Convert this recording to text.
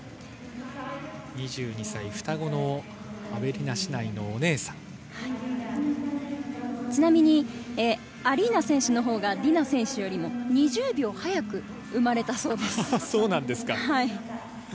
２２歳双子のアベリナ姉妹のアリーナ選手のほうがディナ選手よりも２０秒早く生まれたそうです。